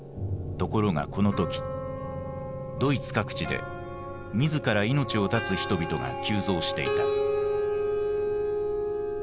ところがこの時ドイツ各地で自ら命を絶つ人々が急増していた。